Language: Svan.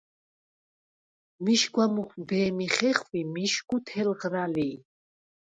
მიშგვა მუხვბე̄მი ხეხვი მიშგუ თელღრა ლი.